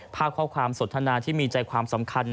ภาพข้อความสนทนาที่มีใจความสำคัญ